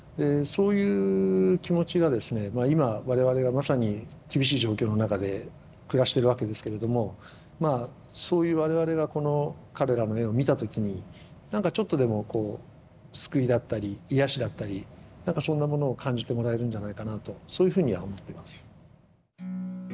今我々がまさに厳しい状況の中で暮らしてるわけですけれどもまあそういう我々がこの彼らの絵を見た時に何かちょっとでもこう救いだったり癒しだったり何かそんなものを感じてもらえるんじゃないかなとそういうふうには思ってます。